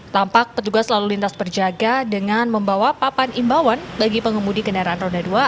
tampak petugas lalu lintas berjaga dengan membawa papan imbauan bagi pengemudi kendaraan roda dua